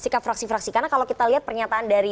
karena kalau kita lihat pernyataan dari